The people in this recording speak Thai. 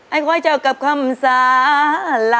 ไอ้ก่อยเจอกับคำสาร